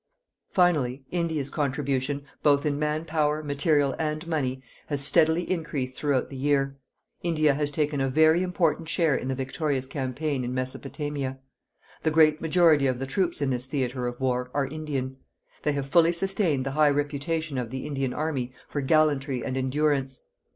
Finally, India's contribution, both in man power, material and money, has steadily increased throughout the year. India has taken a very important share in the victorious campaign in Mesopotamia. The great majority of the troops in this theatre of war are Indian. They have fully sustained the high reputation of the Indian Army for gallantry and endurance.